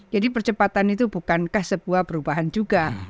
jadi percepatan itu bukankah sebuah perubahan juga